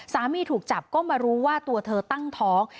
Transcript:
ถูกจับก็มารู้ว่าตัวเธอตั้งท้อง